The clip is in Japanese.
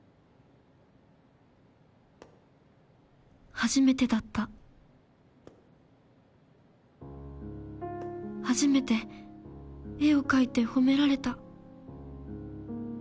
初めてだった初めて絵を描いて褒められた